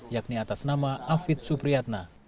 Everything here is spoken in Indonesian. yakni atas nama afid supriyatna